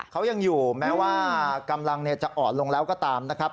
เขายังอยู่แม้ว่ากำลังจะอ่อนลงแล้วก็ตามนะครับ